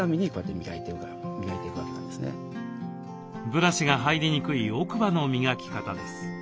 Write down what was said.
ブラシが入りにくい奥歯の磨き方です。